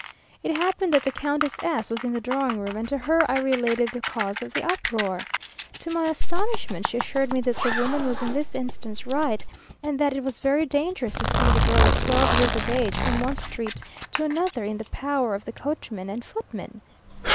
It happened that the Countess S was in the drawing room, and to her I related the cause of the uproar. To my astonishment, she assured me that the woman was in this instance right, and that it was very dangerous to send a girl of twelve years of age from one street to another, in the power of the coachman and footman.